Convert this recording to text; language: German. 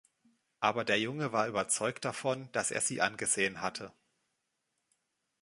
Aber der Junge war überzeugt davon, dass er sie angesehen hatte.